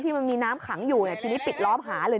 ที่มันมีน้ำขังอยู่ปิดล้อมหาเลย